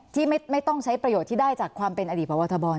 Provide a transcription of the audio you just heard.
ที่ไม่ต้องใช้ประโยชน์ที่ได้จากความเป็นอดีตพบทบ